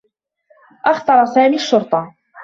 أخطر سامي الشّرطة.